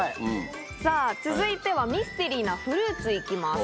さぁ続いてはミステリーなフルーツ行きます。